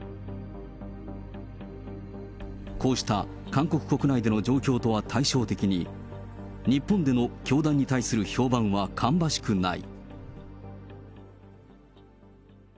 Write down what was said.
こうした韓国国内での状況とは対照的に、日本での教団に対する評判は芳しくない。